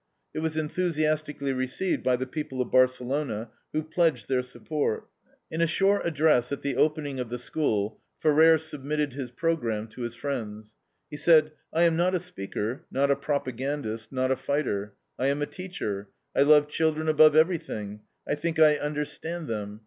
It was enthusiastically received by the people of Barcelona, who pledged their support. In a short address at the opening of the School, Ferrer submitted his program to his friends. He said: "I am not a speaker, not a propagandist, not a fighter. I am a teacher; I love children above everything. I think I understand them.